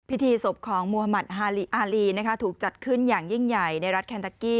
พิธีศพของมุฒมัติอารีถูกจัดขึ้นอย่างยิ่งใหญ่ในรัฐแคนทักกี้